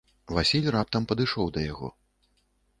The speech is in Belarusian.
Васіль раптам падышоў да яго.